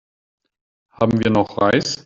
Haben wir noch Reis?